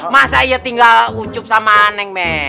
masa ia tinggal ucup sama neng meme